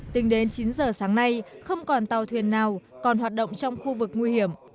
tính đến chín giờ sáng nay không còn tàu thuyền nào còn hoạt động trong khu vực nguy hiểm